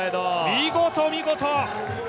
見事見事！